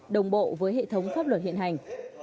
đồng bộ với hệ thống pháp luật hiện hành